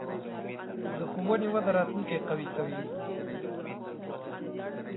د ښوونې وده راتلونکې قوي کوي.